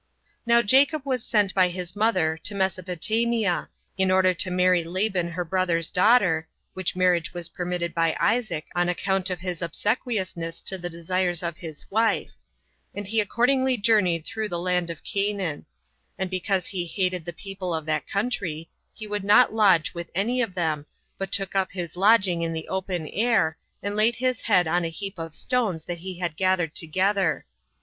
1. Now Jacob was sent by his mother to Mesopotamia, in order to marry Laban her brother's daughter [which marriage was permitted by Isaac, on account of his obsequiousness to the desires of his wife]; and he accordingly journeyed through the land of Canaan; and because he hated the people of that country, he would not lodge with any of them, but took up his lodging in the open air, and laid his head on a heap of stones that he had gathered together.